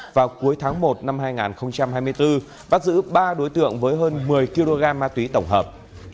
vào cuối tháng một năm hai nghìn hai mươi bốn bắt giữ ba đối tượng với hơn một mươi kg ma túy tổng hợp